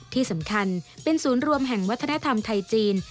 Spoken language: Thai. ที่สำคัญเป็นศูนย์รวมแห่งวัฒนธรรมไทยจีน